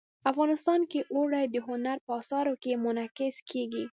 افغانستان کې اوړي د هنر په اثار کې منعکس کېږي.